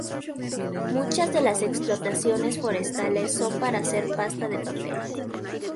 Muchas de las explotaciones forestales son para hacer pasta de papel.